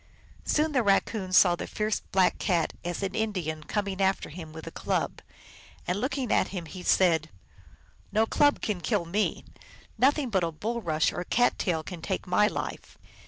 Soon the Raccoon saw the fierce Black Cat, as an Indian, coming after him with a club. And, looking at him, he said, " No club can kill me ; nothing but a bulrush or cat tail can take my life."